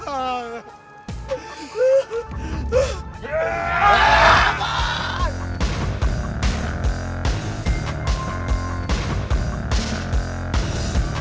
kau tak akan menang